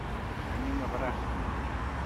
Anem a Bràfim.